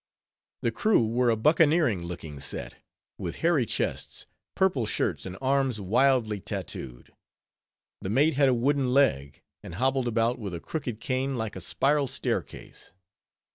The crew were a buccaneering looking set; with hairy chests, purple shirts, and arms wildly tattooed. The mate had a wooden leg, and hobbled about with a crooked cane like a spiral staircase.